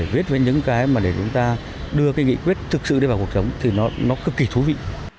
viết với những cái mà để chúng ta đưa cái nghị quyết thực sự đi vào cuộc sống thì nó cực kỳ thú vị